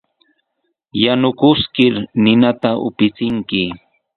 Yanukiskir ninata upichinki.